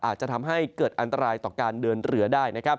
อาจจะทำให้เกิดอันตรายต่อการเดินเรือได้นะครับ